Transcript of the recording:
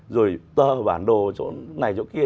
rồi tờ bản đồ chỗ này chỗ kia